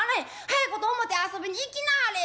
早いこと表遊びに行きなはれ』